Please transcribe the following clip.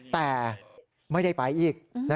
แต่ไม่ได้ไปอีก